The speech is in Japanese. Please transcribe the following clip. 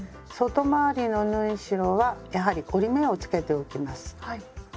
外回りの縫い代はやはり折り目をつけておきます。